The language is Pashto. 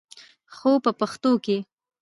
خو په پښتو کښې